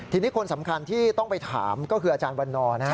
ทีนี้คนสำคัญที่ต้องไปถามก็คืออาจารย์วันนอร์นะฮะ